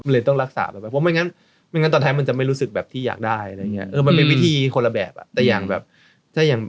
มันเลยต้องรักษาแบบว่าไม่งั้นตอนแท้มันจะไม่รู้สึกแบบที่อยากได้มันเป็นวิธีคนละแบบอะ